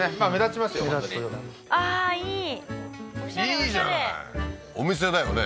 いいじゃないお店だよね？